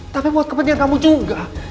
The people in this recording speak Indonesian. tapi buat kepentingan kamu juga